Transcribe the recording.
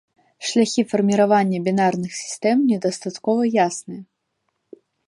Шляхі фарміравання бінарных сістэм недастаткова ясныя.